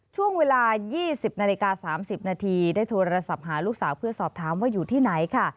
ช่วงเวลา๒๐นาฬิกา๓๐นาทีได้โทรศัพท์หาลูกสาวเพื่อสอบถามว่าอยู่ที่ไหนค่ะ